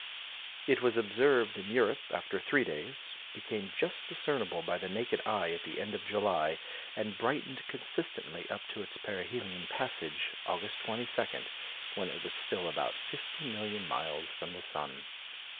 It was observed in Europe after three days, became just discernible by the naked eye at the end of July, and brightened consistently up to its perihelion passage, August 22, when it was still about fifty million miles from the sun.